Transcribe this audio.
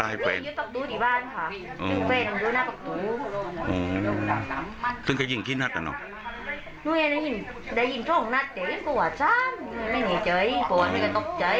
มันมาเจ๋ยงไม่เจ๋ยงเถอะจะโแล้วที่ก็ตกใจตอนนั้นเนี้ย